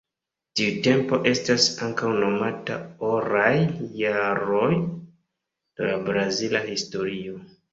Tiu tempo estas ankaŭ nomata "oraj jaroj" de la brazila historio.